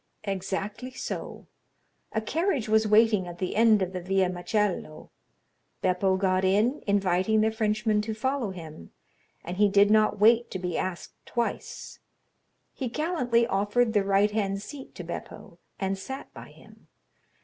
"Exactly so; a carriage was waiting at the end of the Via Macello. Beppo got in, inviting the Frenchman to follow him, and he did not wait to be asked twice. He gallantly offered the right hand seat to Beppo, and sat by him.